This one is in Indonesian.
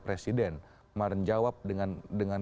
presiden menjawab dengan